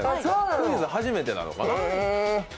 クイズ、初めてなのかな。